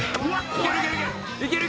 いけるいける